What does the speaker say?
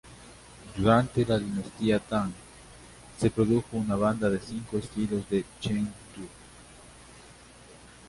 Durante la dinastía Tang, se produjo una banda de cinco estilos en Chengdu.